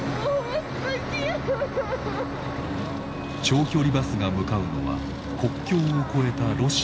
長距離バスが向かうのは国境を越えたロシア。